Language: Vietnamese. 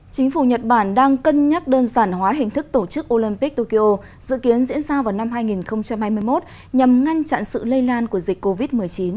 chính phủ nhật bản đang cân nhắc đơn giản hóa hình thức tổ chức olympic tokyo dự kiến diễn ra vào năm hai nghìn hai mươi một nhằm ngăn chặn sự lây lan của dịch covid một mươi chín